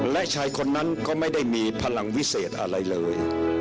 และชายคนนั้นก็ไม่ได้มีพลังวิเศษอะไรเลย